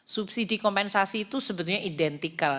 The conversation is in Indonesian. subsidi kompensasi itu sebetulnya identikal